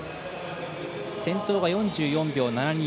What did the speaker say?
先頭が４４秒７２。